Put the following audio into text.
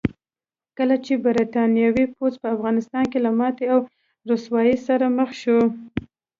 کله چې برتانوي پوځ په افغانستان کې له ماتې او رسوایۍ سره مخ شو.